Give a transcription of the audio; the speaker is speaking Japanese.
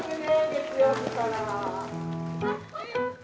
月曜日から。